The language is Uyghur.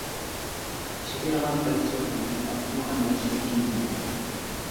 شېئىرغا بەك چىق يۈكنى ئارتمىغان ياخشىمىكىن دەيمەن.